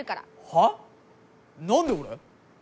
は？何で俺！？